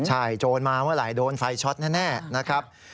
ใช่โจรมาเมื่อไหร่โดนไฟช็อตแน่นะครับ